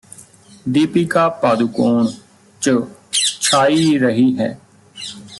ਦੀਪਿਕਾ ਪਾਦੁਕੋਣ ਚ ਛਾਈ ਰਹੀ ਹੈ